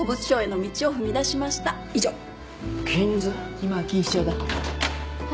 今は錦糸町だ。